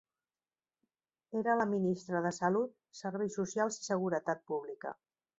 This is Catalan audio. Era la ministra de Salut, Serveis Socials i Seguretat Pública.